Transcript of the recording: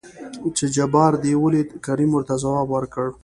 چې جبار دې ولېد؟ کريم ورته ځواب ورکړ.